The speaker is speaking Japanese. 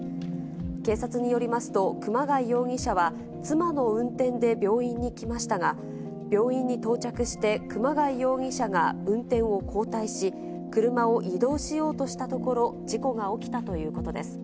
警察によりますと、熊谷容疑者は妻の運転で病院に来ましたが、病院に到着して熊谷容疑者が運転を交代し、車を移動しようとしたところ、事故が起きたということです。